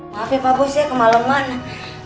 maaf ya pak bos ya kemalem malem